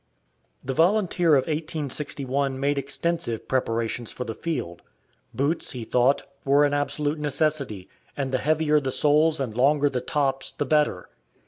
The volunteer of 1861 made extensive preparations for the field. Boots, he thought, were an absolute necessity, and the heavier the soles and longer the tops the better.